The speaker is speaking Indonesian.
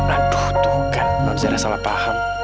aduh tuh kan nonzara salah paham